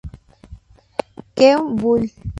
Kew Bull.